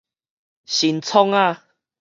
新創仔